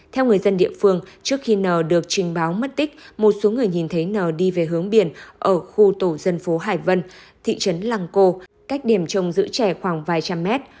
theo người dân địa phương trước khi n được trình báo mất tích một số người nhìn thấy nờ đi về hướng biển ở khu tổ dân phố hải vân thị trấn lăng cô cách điểm trồng giữ trẻ khoảng vài trăm mét